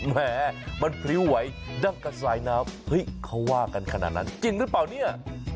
แหมมันพริ้วไหวดั้งกระสายน้ำเฮ้ยเขาว่ากันขนาดนั้นจริงหรือเปล่าเนี่ย